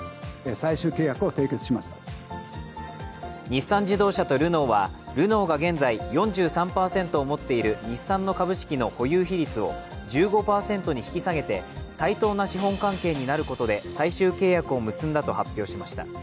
日産自動車とルノーはルノーが現在４３％持っている日産の株式の保有比率を１５％に引き下げて対等な資本関係になることで最終契約を結んだと発表しました。